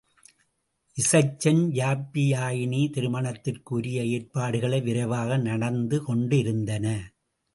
இசைச்சன், யாப்பியாயினி திருமணத்திற்கு உரிய ஏற்பாடுகள் விரைவாக நடந்து கொண்டிருந்தன.